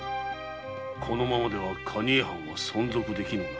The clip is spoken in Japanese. このままでは蟹江藩は存続できぬな。